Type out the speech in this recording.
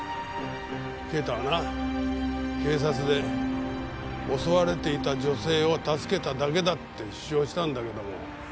啓太はな警察で襲われていた女性を助けただけだって主張したんだけども。